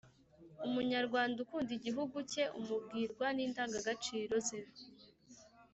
Umunyarwanda ukunda igihugu cye umubwirwa ni ndangagaciro ze